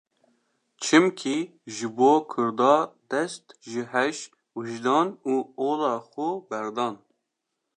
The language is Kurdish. Çimkî ji bo Kurda dest ji heş, wijdan û ola xwe berdan.